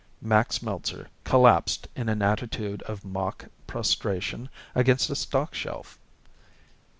Max Meltzer collapsed in an attitude of mock prostration against a stock shelf.